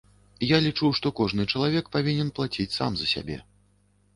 Я лічу, што кожны чалавек павінен плаціць сам за сябе.